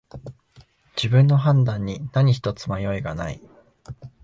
自分の判断に何ひとつ迷いがない